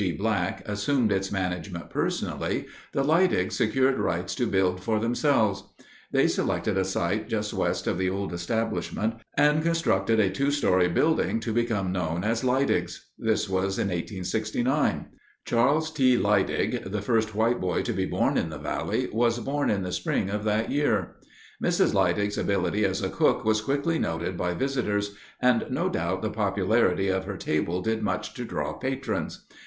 G. Black, assumed its management personally, the Leidigs secured rights to build for themselves. They selected a site just west of the old establishment and constructed a two story building to become known as Leidig's. This was in 1869. Charles T. Leidig, the first white boy to be born in the valley, was born in the spring of that year. Mrs. Leidig's ability as a cook was quickly noted by visitors, and, no doubt, the popularity of her table did much to draw patrons.